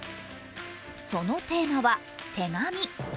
そのテーマは「手紙」。